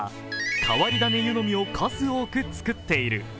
変わり種湯飲みを数多く作っている。